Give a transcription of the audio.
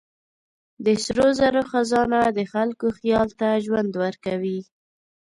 د سرو زرو خزانه د خلکو خیال ته ژوند ورکوي.